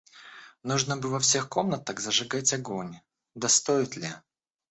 Нужно бы во всех комнатах зажигать огонь, — да стоит ли?